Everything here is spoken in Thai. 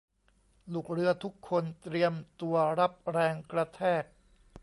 ลูกเรือทุกคน เตรียมตัวรับแรงกระแทก